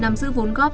nắm giữ vốn góp